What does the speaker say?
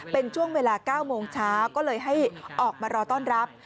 เป็นช่วงเวลา๙โมงเช้าก็เลยให้ออกมารอต้อนรับ